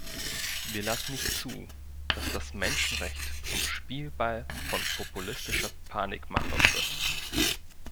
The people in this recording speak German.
Wir lassen nicht zu, dass das Menschenrecht zum Spielball von populistischer Panikmache wird.